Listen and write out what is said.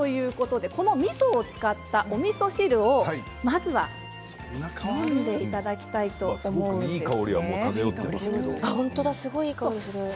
このみそを使ったおみそ汁をまずは飲んでいただきたいと思います。